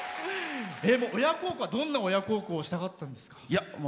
親孝行はどんな親孝行したかったんですか？